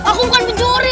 aku bukan penjuri